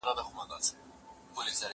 زه مخکي بوټونه پاک کړي وو!